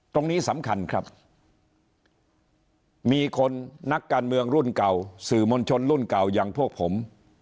ตรงนี้สำคัญครับมีคนนักการเมืองรุ่นเก่าสื่อมวลชนรุ่นเก่าอย่างพวกผม